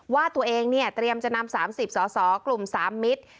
ว่าตัวเองเนี่ยเตรียมจะนำ๓๐สสกลุ่ม๓มิตร